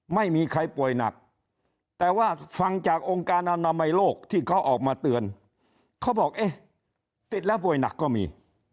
ไม่มีใครป่วยหนักแต่ว่าฟังจากองค์การอนามัยโลกที่เขาออกมาเตือนเขาบอกเอ๊ะติดแล้วป่วยหนักก็มี